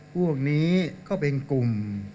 พวกนี้ก็เป็นกลุ่ม